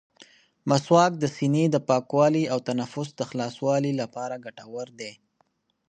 مسواک د سینې د پاکوالي او تنفس د خلاصوالي لپاره ګټور دی.